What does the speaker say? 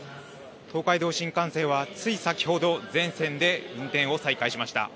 東海道新幹線はつい先ほど全線で運転を再開しました。